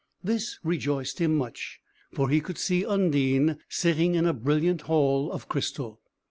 This rejoiced him much, for he could see Undine sitting in a brilliant hall of crystal.